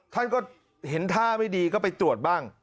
ท่านก็เห็นท่าไม่ดีก็ไปตรวจบ้าง